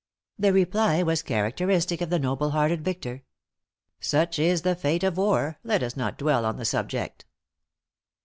The reply was characteristic of the noble hearted victor: "Such is the fate of war; let us not dwell on the subject."